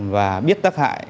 và biết tác hại